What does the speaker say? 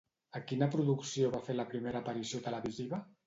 A quina producció va fer la primera aparició televisiva?